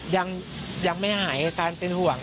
ยังไม่หายอาการเป็นห่วง